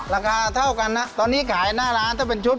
ราคาเท่ากันนะตอนนี้ขายหน้าร้านถ้าเป็นชุด